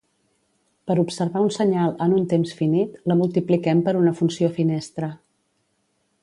Per observar un senyal en un temps finit, la multipliquem per una funció finestra.